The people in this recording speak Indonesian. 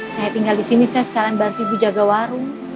saya tinggal di sini saya sekarang baru ibu jaga warung